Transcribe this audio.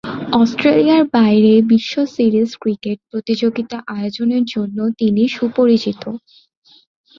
অস্ট্রেলিয়ার বাইরে বিশ্ব সিরিজ ক্রিকেট প্রতিযোগিতা আয়োজনের জন্য তিনি সুপরিচিত।